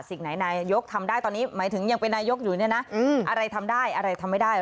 สิ่งไหนนายกทำได้ตอนนี้หมายถึงยังเป็นนายกอยู่เนี่ยนะอะไรทำได้อะไรทำไม่ได้